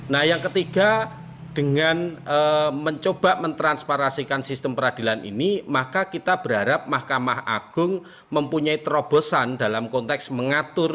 nah yang ketiga dengan mencoba mentransparasikan sistem peradilan ini maka kita berharap mahkamah agung mempunyai terobosan dalam konteks mengatur